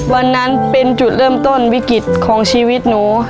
วันนั้นเป็นจุดเริ่มต้นวิกฤตของชีวิตหนู